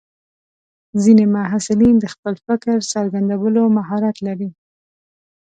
ځینې محصلین د خپل فکر څرګندولو مهارت لري.